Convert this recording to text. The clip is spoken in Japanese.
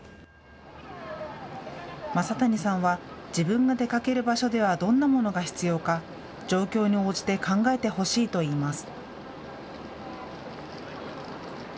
正谷さんは、自分が出かける場所ではどんなものが必要か状況に応じて考えてほしいといいます。